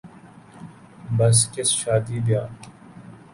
بس کس شادی بیاہ